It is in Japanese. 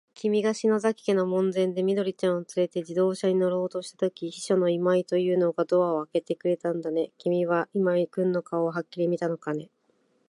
きみが篠崎家の門前で、緑ちゃんをつれて自動車に乗ろうとしたとき、秘書の今井というのがドアをあけてくれたんだね。きみは今井君の顔をはっきり見たのかね。